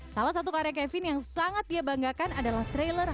salah satu karya kevin yang sangat dia banggakan adalah trailer